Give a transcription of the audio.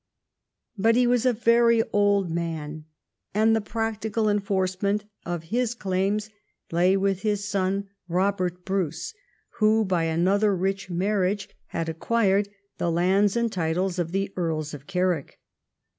But he was a very old man, and the practical enforcement of his claims lay with his son Robert Bruce, who, by another rich marriage, had acquired the lands and title of the Earls of Carrick.